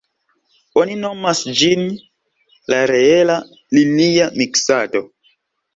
Oni nomas ĝin la reela-linia miksado.